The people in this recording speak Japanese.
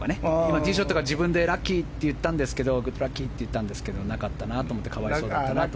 ティーショットが自分でラッキーって言ったんですけどグッドラッキーって言ったんだけどラッキーなかったな可哀想だなって。